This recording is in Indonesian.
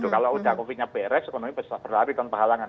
kalau udah covidnya beres ekonomi bisa berlari kan pahalangan